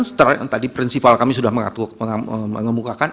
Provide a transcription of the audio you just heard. setelah yang tadi prinsipal kami sudah mengatakan